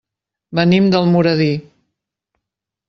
Venim d'Almoradí.